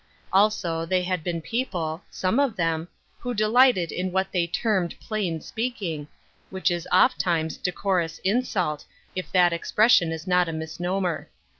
Also, they had been people — some of them — who delighted in what they termed plain speaking, which is o fttimes decorous insult, if that expression is not a mis lomer.